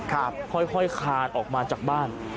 ค่อยคานออกมาจากบ้าน